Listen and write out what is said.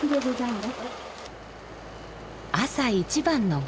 朝一番の便。